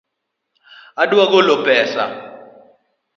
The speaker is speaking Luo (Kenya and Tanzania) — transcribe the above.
Adwa golo pesa